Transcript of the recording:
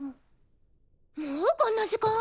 もうこんな時間！？